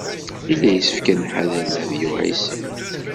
Yella yessefk ad nḥader Dehbiya u Ɛisiw.